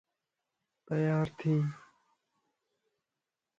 تيار ٿي